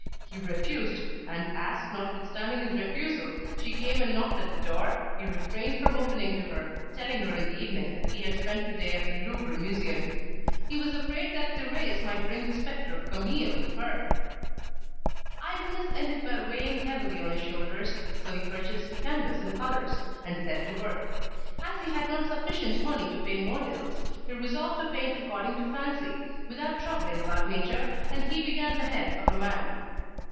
He refused, and as, notwithstanding his refusal, she came and knocked at the door, he refrained from opening to her, telling her in the evening that he had spent the day at the Louvre Museum. He was afraid that Thérèse might bring the spectre of Camille with her. Idleness ended by weighing heavily on his shoulders, so he purchased a canvas and colours, and set to work. As he had not sufficient money to pay models, he resolved to paint according to fancy, without troubling about nature, and he began the head of a man.